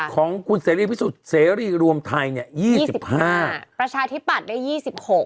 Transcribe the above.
ของคุณเซรี่พิสุทธิ์รวมไทย๒๕ประชาธิปัตย์ได้๒๖